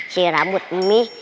si rambut mieh